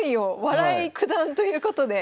笑い九段ということで。